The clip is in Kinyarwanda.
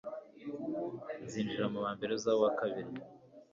Nzinjira mubambere uzaba uwakabiri